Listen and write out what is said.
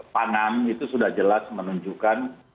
pangan itu sudah jelas menunjukkan